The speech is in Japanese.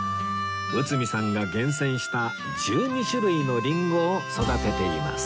内海さんが厳選した１２種類のリンゴを育てています